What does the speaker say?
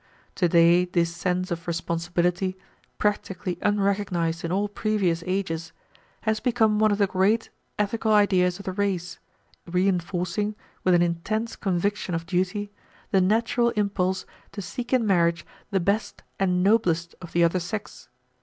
To day this sense of responsibility, practically unrecognized in all previous ages, has become one of the great ethical ideas of the race, reinforcing, with an intense conviction of duty, the natural impulse to seek in marriage the best and noblest of the other sex.